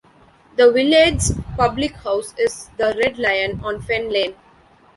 The village's public house is the Red Lion on Fen Lane.